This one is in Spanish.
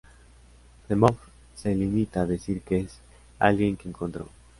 D-mob se limita a decir que es alguien que encontro.